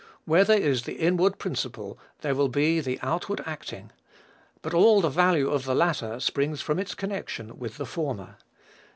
Where there is the inward principle, there will be the outward acting; but all the value of the latter springs from its connection with the former.